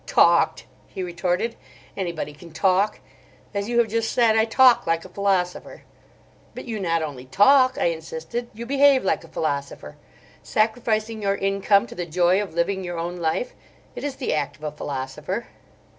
"Talked!" he retorted. "Anybody can talk. As you have just said, I talk like a philosopher." "But you not only talk," I insisted, "you behave like a philosopher. Sacrificing your income to the joy of living your own life! It is the act of a philosopher."